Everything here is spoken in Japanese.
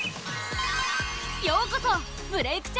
ようこそ「ブレイクッ！」